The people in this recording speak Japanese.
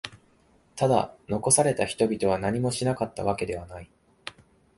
ただ、残された人々は何もしなかったわけではない。